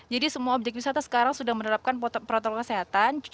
jadi semua objek wisata sekarang sudah menerapkan protokol kesehatan